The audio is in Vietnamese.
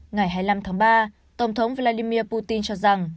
ngày hai mươi năm tháng ba tổng thống vladimir putin cho rằng